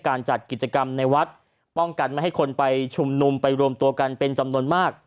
จัดกิจกรรมในวัดป้องกันไม่ให้คนไปชุมนุมไปรวมตัวกันเป็นจำนวนมาก